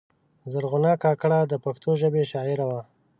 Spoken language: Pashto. زرغونه کاکړه د پښتو ژبې شاعره وه.